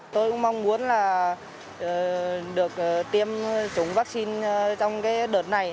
tôi cũng mong muốn là được tiêm chủng vaccine trong cái đợt này